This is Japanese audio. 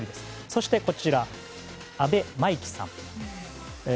そして、阿部真生騎さん。